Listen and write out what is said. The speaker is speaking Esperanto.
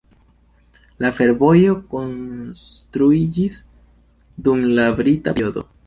La fervojo konstruiĝis dum la brita periodo.